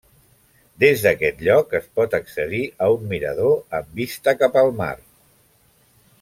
Des d'aquest lloc es pot accedir a un mirador amb vista cap a la mar.